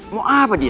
mau apa dia